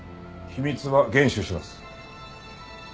秘密は厳守します。